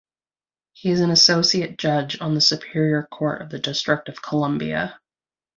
He is an Associate Judge on the Superior Court of the District of Columbia.